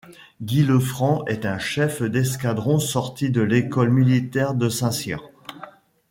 Guy Lefrant est un chef d'escadron sorti de l'École militaire de Saint-Cyr.